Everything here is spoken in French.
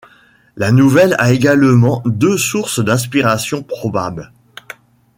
La nouvelle a également deux sources d'inspirations probables.